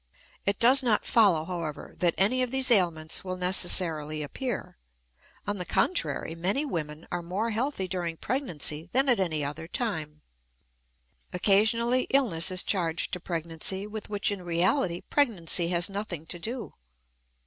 It does not follow, however, that any of these ailments will necessarily appear. On the contrary, many women are more healthy during pregnancy than at any other time. Occasionally illness is charged to pregnancy with which in reality pregnancy has nothing to do.